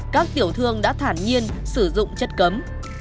các tiểu thương đã thản nhiên sử dụng chất cấm